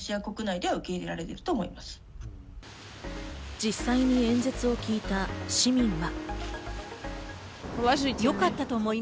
実際に演説を聴いた市民は。